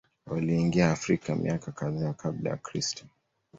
Waliingia Afrika miaka kadhaa Kabla ya Kristo.